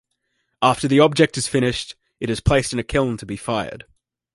After the object is finished, it is placed in a kiln to be fired.